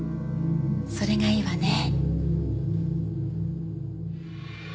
それがいいわね。